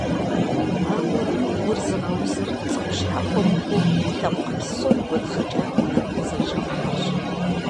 Ауэ гур зыгъэузыр, цӀыху щхьэхуэ мыхъуу, лъэпкъ псом и кӀуэдыжыкӀар ди нэгу къызэрыщӀигъэхьэрщ.